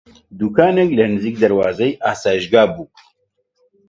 دووکانێک لە نزیک دەروازەی ئاسایشگا بوو